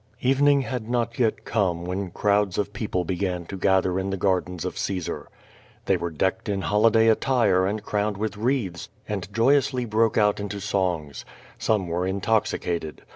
Evening had not yet come, when crowds of people began to gather in the gardens of Caesar. Tliey were decked in holiday attire and crowned with wreaths, and joyously broke out into songs. Some were intoxicated.